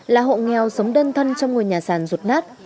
là hộ nghèo sống đơn thân trong ngôi nhà sàn rụt nát